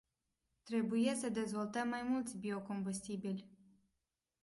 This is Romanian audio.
Trebuie să dezvoltăm mai mulți biocombustibili.